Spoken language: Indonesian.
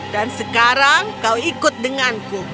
dan sekarang kau ikut denganku